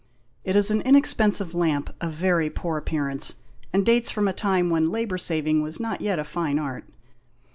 It is an inexpensive lamp of very poor appearance, and dates from a time when labour saving was not yet a fine art.